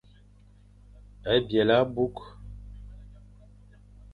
Byelé abukh.